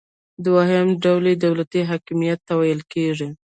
دوهم ډول یې دولتي حاکمیت ته ویل کیږي.